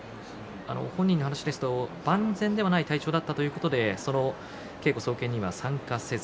本人の話ですと万全ではない体調だったということでその稽古総見には参加せず。